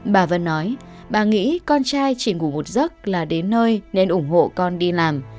bà vân nói bà nghĩ con trai chỉ ngủ một giấc là đến nơi nên ủng hộ con đi làm